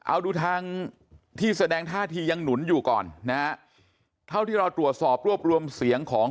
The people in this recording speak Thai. เอาดูทางที่แสดงท่าทียังหนุนอยู่ก่อนนะฮะเท่าที่เราตรวจสอบรวบรวมเสียงของ